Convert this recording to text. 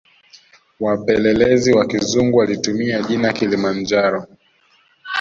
Wapelelezi Wa kizungu walitumia jina kilimanjaro